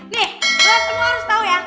nih buat semua harus tahu ya